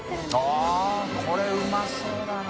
◆舛これうまそうだな。